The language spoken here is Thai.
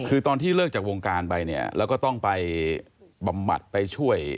คือตอนที่เริ่มจากวงการไปเราก็ต้องไปบำมัดไปช่วย